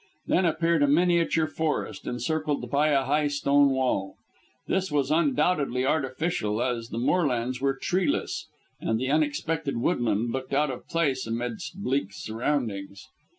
Then appeared a miniature forest, encircled by a high stone wall. This was undoubtedly artificial, as the moorlands were treeless, and the unexpected woodland looked out of place amidst its bleak surroundings.